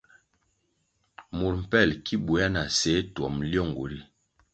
Mur mpel ki bwea na seh twom lyongu ri.